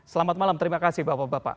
selamat malam terima kasih bapak bapak